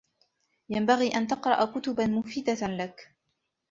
ينبغي أن تقرأ كتبا مفيدة لك.